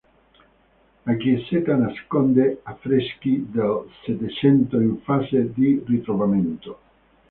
La chiesetta nasconde affreschi del Settecento in fase di ritrovamento.